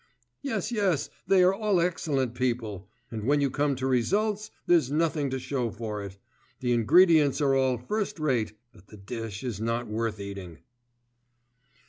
Yes, yes, they are all excellent people, and when you come to results, there's nothing to show for it; the ingredients are all first rate, but the dish is not worth eating.